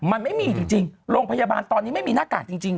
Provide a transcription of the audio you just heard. มันไม่มีจริงโรงพยาบาลตอนนี้ไม่มีหน้ากากจริง